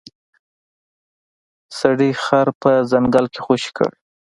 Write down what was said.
سړي خر په ځنګل کې خوشې کړ.